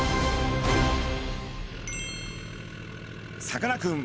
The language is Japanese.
さかなクン